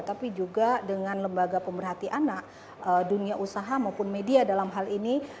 tapi juga dengan lembaga pemberhati anak dunia usaha maupun media dalam hal ini